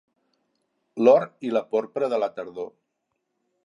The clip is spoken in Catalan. L'or i la porpra de la tardor.